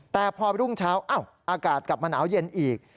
แต่พอรุ่งเช้าอากาศกลับมาหนาวเย็นอีก